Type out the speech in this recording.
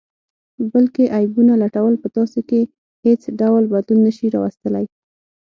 بل کې عیبونه لټول په تاسې کې حیڅ ډول بدلون نه شي راوستلئ